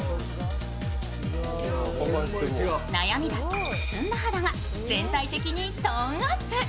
悩みだった、くすんだ肌が全体的にトーンアップ。